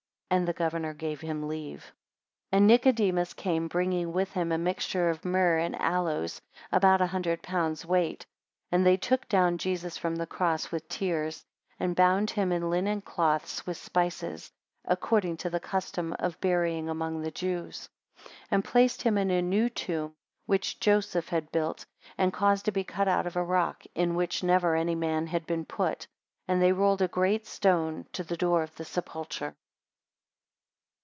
13 And the governor gave him leave. 14 And Nicodemus came, bringing with him a mixture of myrrh and aloes about a hundred pounds weight; and they took down Jesus from the cross with tears, and bound him in linen cloths with spices, according to the custom of burying among the Jews; 15 And placed him in a new tomb, which Joseph had built, and caused to be cut out of a rock, in which never any man had been put; and they rolled a great stone to the door of the sepulchre.